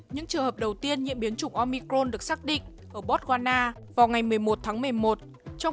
những trường hợp đầu tiên nhiễm biến chủng omicron được xác định ở botswana vào ngày một mươi một tháng một mươi một